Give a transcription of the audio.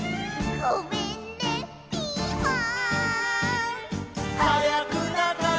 ごめんねピーマン。